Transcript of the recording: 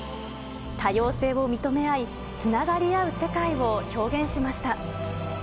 多様性を認め合い、つながり合う世界を表現しました。